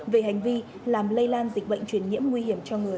về hành vi làm lây lan dịch bệnh truyền nhiễm nguy hiểm cho người